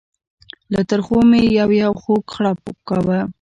له ترخو مې یو یو خوږ غړپ کاوه.